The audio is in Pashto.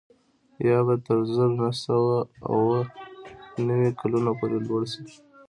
یا به تر زر نه سوه اووه نوي کلونو پورې لوړ شي